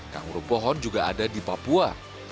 kanrung pohon juga ada di papua